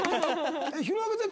弘中ちゃん